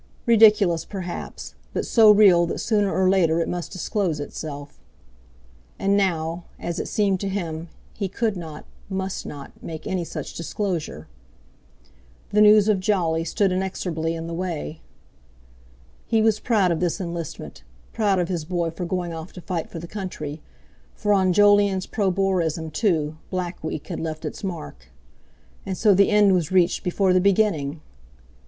Ridiculous, perhaps, but so real that sooner or later it must disclose itself. And now, as it seemed to him, he could not, must not, make any such disclosure. The news of Jolly stood inexorably in the way. He was proud of this enlistment; proud of his boy for going off to fight for the country; for on Jolyon's pro Boerism, too, Black Week had left its mark. And so the end was reached before the beginning!